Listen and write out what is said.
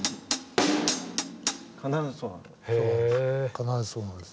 必ずそうなんです。